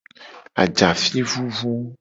Ajafi vuvu.